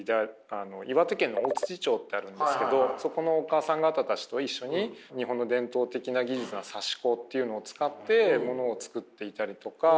岩手県の大町ってあるんですけどそこのお母さん方たちと一緒に日本の伝統的な技術の刺し子っていうのを使ってものを作っていたりとか。